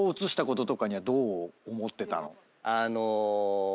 あの。